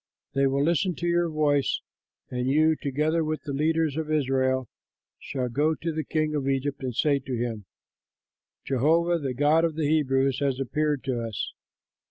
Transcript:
They will listen to your voice; and you, together with the leaders of Israel, shall go to the king of Egypt and say to him, 'Jehovah, the God of the Hebrews, has appeared to us.